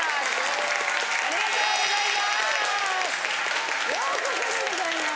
ありがとうございます。